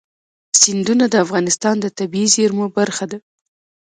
سیندونه د افغانستان د طبیعي زیرمو برخه ده.